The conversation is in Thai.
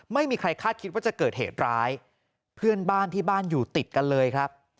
ไม่มีใครคาดคิดว่าจะเกิดเหตุร้ายเพื่อนบ้านที่บ้านอยู่ติดกันเลยครับ